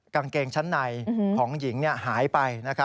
กางเกงชั้นในของหญิงหายไป